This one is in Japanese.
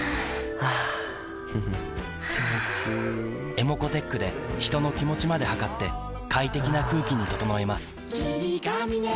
ｅｍｏｃｏーｔｅｃｈで人の気持ちまで測って快適な空気に整えます